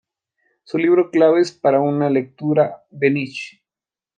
Su libro "Claves para una lectura de Nietzsche.